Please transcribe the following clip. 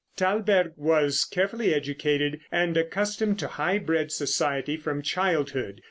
Thalberg was carefully educated, and accustomed to high bred society from childhood.